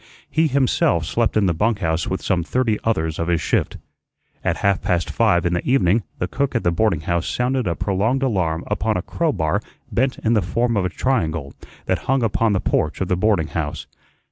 He himself slept in the bunk house with some thirty others of his shift. At half past five in the evening the cook at the boarding house sounded a prolonged alarm upon a crowbar bent in the form of a triangle, that hung upon the porch of the boarding house.